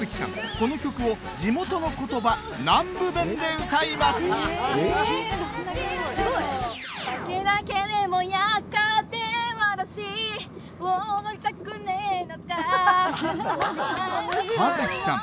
この曲を地元の言葉南部弁で歌います華月さん